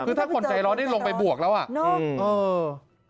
คือถ้าผลใจร้อนนี่ลงไปบวกแล้วอ่ะอืมเออ